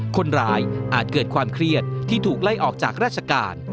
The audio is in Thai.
อาจเกิดความเครียดที่ถูกไล่ออกจากราชการ